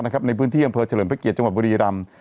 นะครับในพื้นที่อังเฟิร์ตเฉลิมพระเกียรติจังหกบริรรม